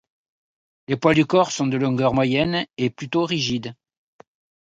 Les poils du corps sont de longueur moyenne et plutôt rigides.